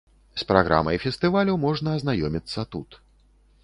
З праграмай фестывалю можна азнаёміцца тут.